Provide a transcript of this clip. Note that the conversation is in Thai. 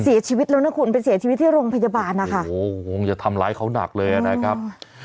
เสียชีวิตแล้วนะคุณไปเสียชีวิตที่โรงพยาบาลนะคะโอ้โหคงจะทำร้ายเขาหนักเลยอ่ะนะครับ